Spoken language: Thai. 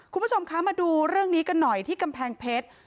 คุณผู้ชมคะมาดูเรื่องนี้กันหน่อยที่กำแพงเพชร